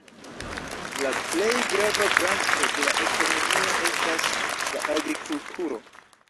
La plej grava branĉo de la ekonomio estas la agrikulturo.